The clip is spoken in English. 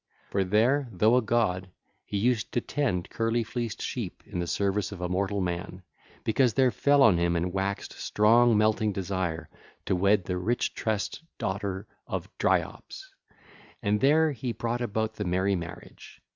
For there, though a god, he used to tend curly fleeced sheep in the service of a mortal man, because there fell on him and waxed strong melting desire to wed the rich tressed daughter of Dryops, and there he brought about the merry marriage.